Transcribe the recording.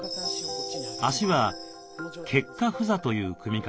足は結跏趺坐という組み方。